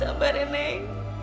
sabar ya nek